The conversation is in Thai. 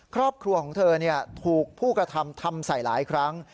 ครอบครัวของเธอถูกผู้กระทำทำใส่หลายครั้ง